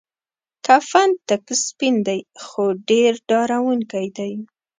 کفن تک سپین دی خو ډیر ډارونکی دی.